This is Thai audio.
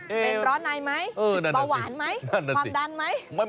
เป็นร้อนในไหมเบาหวานไหมความดันไหม